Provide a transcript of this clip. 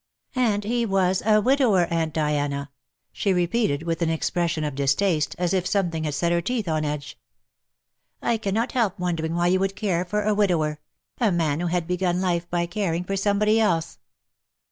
" And he was a widower, Aunt Diana/' she re peated, with an expression of distaste, as if some thing had set her teeth on edge. " I cannot help wondering that you could care for a widower — a man who had begun life by caring for somebody else."